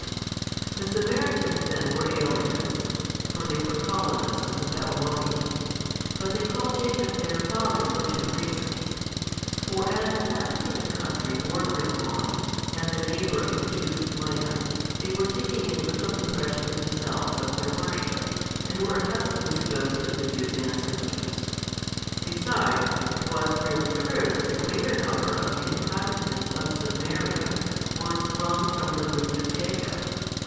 The Samaritans then were aliens (for they were colonists of the Babylonians), but they call Jacob their father for two reasons. For as inhabiting a country bordering on, and the neighbour of the Jews' land, they were taking a little impression themselves of their worship, and were accustomed to boast of the Jews' ancestors. Besides, it was really true that the greater number of the inhabitants of Samaria were sprung from the root of Jacob.